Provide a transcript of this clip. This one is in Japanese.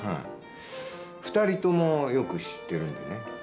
２人とも、よく知ってるんでね。